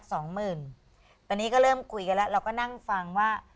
ตอนนี้ก็เริ่มคุยกันแล้วเราก็นั่งฟังว่า